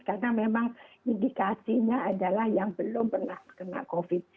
karena memang indikasinya adalah yang belum pernah kena covid